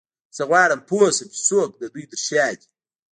زه غواړم پوه شم چې څوک د دوی تر شا دی